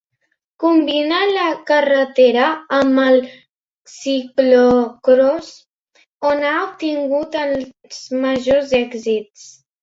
Combina la carretera amb el ciclocròs on ha obtingut els majors èxits.